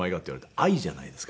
「愛」じゃないですか。